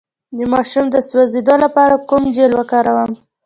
د ماشوم د سوځیدو لپاره کوم جیل وکاروم؟